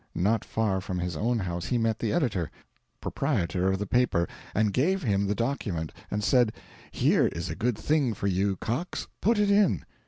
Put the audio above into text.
Not far from his own house he met the editor proprietor of the paper, and gave him the document, and said "Here is a good thing for you, Cox put it in."